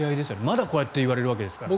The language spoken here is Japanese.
まだこうやって言われるわけですから。